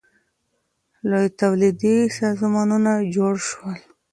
لوی تولیدي سازمانونه جوړ سول.